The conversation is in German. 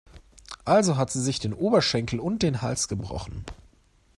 Also hat sie sich den Oberschenkel und den Hals gebrochen?